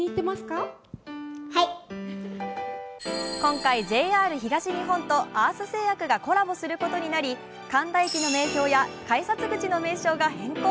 今回、ＪＲ東日本とアース製薬がコラボすることになり、神田駅の名票や改札口の名称が変更。